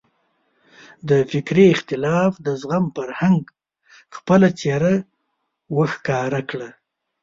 د فکري اختلاف د زغم فرهنګ خپله څېره وښکاره کړه.